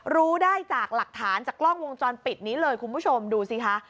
รู้ได้จากหลักฐานจากกล้องวงจรปิดนี้เลยคุณผู้ชมดูสิคะ